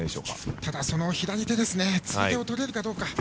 ただ、その左手、釣り手をとれるかどうか。